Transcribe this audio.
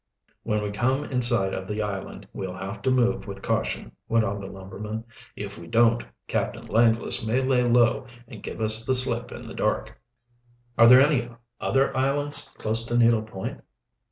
"When we come in sight of the island we'll have to move with caution," went on the lumberman. "If we don't, Captain Langless may lay low and give us the slip in the dark." "Are there any other islands close to Needle Point?"